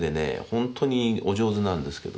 本当にお上手なんですけどね